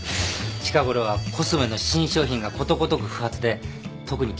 近頃はコスメの新商品がことごとく不発で特に機嫌が悪い。